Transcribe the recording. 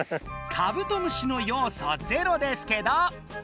カブトムシのようそゼロですけど！